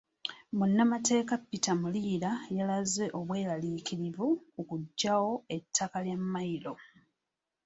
Munnamateeka Peter Muliira yalaze obweraliikirivu ku kuggyawo ettaka lya Mmayiro.